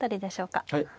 はい。